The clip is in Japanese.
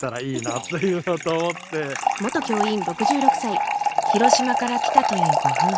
広島から来たというご夫婦。